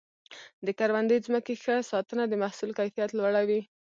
د کروندې ځمکې ښه ساتنه د محصول کیفیت لوړوي.